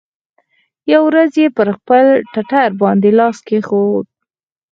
يوه ورځ يې پر خپل ټټر باندې لاس کښېښوو.